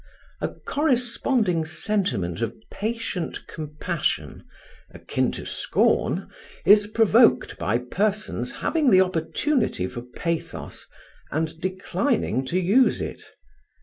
A corresponding sentiment of patient compassion, akin to scorn, is provoked by persons having the opportunity for pathos, and declining to use it.